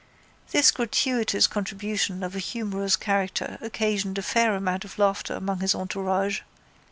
This gratuitous contribution of a humorous character occasioned a fair amount of laughter among his entourage.